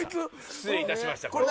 失礼いたしました。